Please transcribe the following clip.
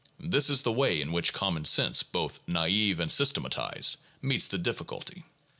This is the way in which common sense, both naive and systematized, meets the difficulty.